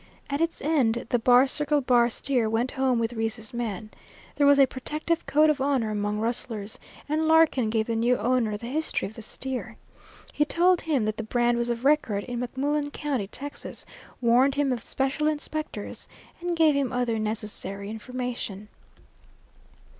At its end the bar circle bar steer went home with Reece's man. There was a protective code of honor among rustlers, and Larkin gave the new owner the history of the steer. He told him that the brand was of record in McMullen County, Texas, warned him of special inspectors, and gave him other necessary information.